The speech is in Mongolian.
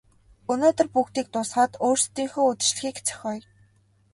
Өнөөдөр бүгдийг дуусгаад өөрсдийнхөө үдэшлэгийг зохиоё.